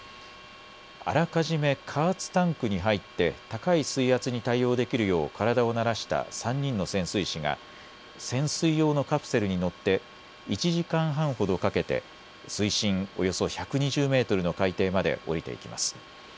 あらかじめ加圧タンクに入って高い水圧に対応できるよう体を慣らした３人の潜水士が潜水用のカプセルに乗って１時間半ほどかけて水深およそ１２０メートルの海底まで下りていきます。